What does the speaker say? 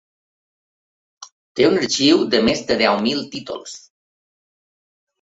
Té un arxiu de més de deu mil títols.